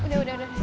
udah ya udah udah